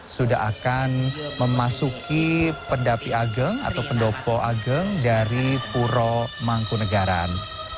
sudah akan memasuki pendapi ageng atau pendopo ageng dari puro mangkunagaran